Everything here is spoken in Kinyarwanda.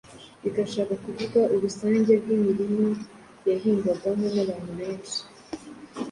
bigashaka kuvuga urusange rw'imirima yahingwagamo n'abantu benshi